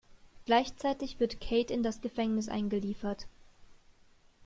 Gleichzeitig wird Kate in das Gefängnis eingeliefert.